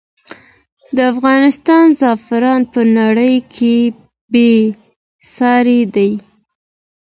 د افغانستان زعفران په نړۍ کې بې ساری دی.